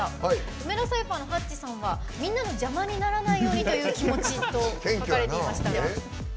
梅田サイファーのＨＡＴＣＨさんはみんなの邪魔にならないような気持ちって書かれていました。